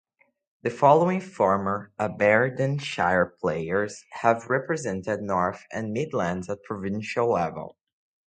The following former Aberdeenshire players have represented North and Midlands at provincial level.